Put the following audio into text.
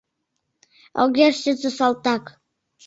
Огеш сите салтак